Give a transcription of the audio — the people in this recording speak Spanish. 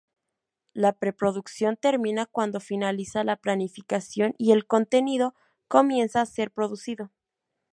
La preproducción termina cuando finaliza la planificación y el contenido comienza a ser producido.